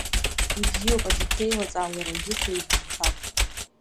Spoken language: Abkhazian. Ибзиоуп, аџьықәреи лаҵа, уара узы сеигӡом, Чагә.